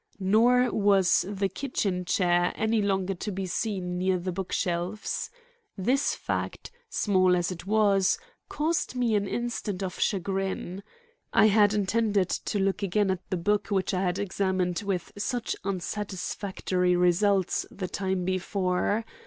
Nor was the kitchen chair any longer to be seen near the book shelves. This fact, small as it was, caused me an instant of chagrin. I had intended to look again at the book which I had examined with such unsatisfactory results the time before.